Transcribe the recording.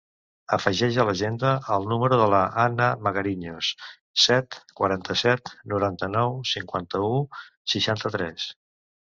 Afegeix a l'agenda el número de la Hanna Magariños: set, quaranta-set, noranta-nou, cinquanta-u, seixanta-tres.